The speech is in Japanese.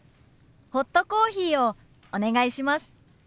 ホットコーヒーをお願いします。